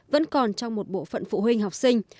vẫn còn trong một bộ phận phụ huynh học sinh